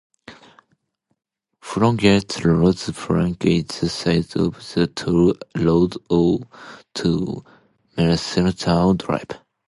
Frontage roads flank either side of the toll road to Merrilltown Drive.